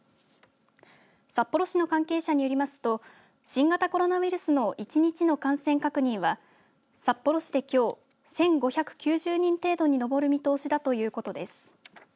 札幌市の関係者によりますと新型コロナウイルスの１日の感染確認は札幌市で、きょう１５９０人程度に上る見通しだということです。